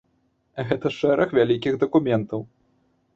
Гэта шэраг вялікіх дакументаў.